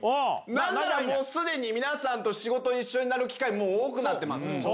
なんならもうすでに、皆さんと仕事一緒になる機会も多くなってます。